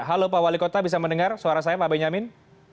halo pak wali kota bisa mendengar suara saya pak benyamin